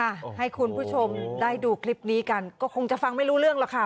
ให้คุณผู้ชมได้ดูคลิปนี้กันก็คงจะฟังไม่รู้เรื่องหรอกค่ะ